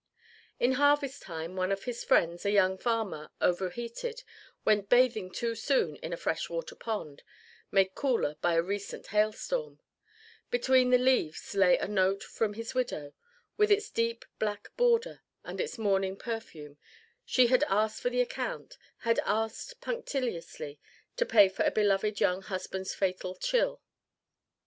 In harvest time one of his friends, a young farmer, overheated, went bathing too soon in a fresh water pond made cooler by a recent hail storm; between the leaves lay a note from his widow, with its deep black border and its mourning perfume; she had asked for the account had asked punctiliously to pay for a beloved young husband's fatal chill.